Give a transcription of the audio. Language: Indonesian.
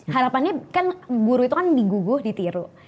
harapannya kan buruh itu kan diguguh ditiru